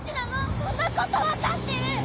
そんなこと分かってる！